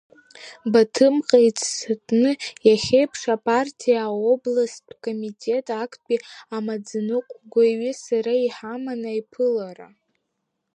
Баҭымҟа ицатәны иахьеиԥш апартиа аобласттә комитет актәи амаӡаныҟәгаҩи сареи иҳаман аиԥылара.